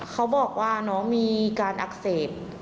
เขาบอกว่าน้องมีการอักเสบ